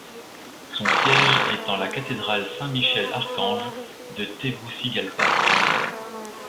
Son siège est en la cathédrale Saint-Michel-Archange de Tegucigalpa.